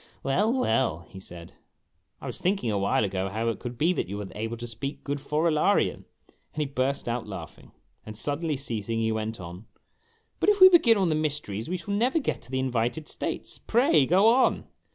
" "Well, well," he said; " I was thinking a while ago how it could be that you were able to speak good Forolarian "; and he burst out laughing. Then suddenly ceasing he went on, " But if we begin on the mysteries we shall never get to the invited states. Pray go on."